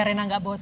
k irtau selesai